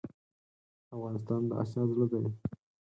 افغانستان دا اسیا زړه ډی